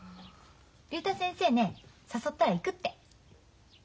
竜太先生ね誘ったら行くって。